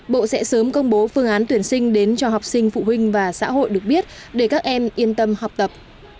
bộ sẽ sớm công bố phương án tuyển sinh đến cho học sinh phụ huynh và xã hội được biết để các em yên tâm học tập